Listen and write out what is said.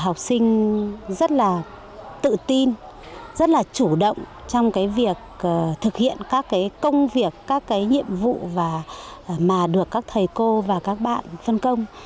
học sinh rất là tự tin rất là chủ động trong cái việc thực hiện các công việc các cái nhiệm vụ mà được các thầy cô và các bạn phân công